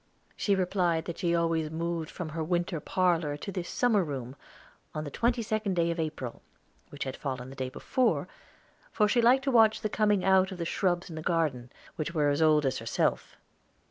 She replied that she always moved from her winter parlor to this summer room on the twenty second day of April, which had fallen the day before, for she liked to watch the coming out of the shrubs in the garden, which were as old as herself.